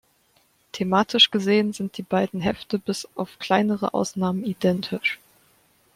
Thematisch gesehen sind die beiden Hefte bis auf kleinere Ausnahmen identisch.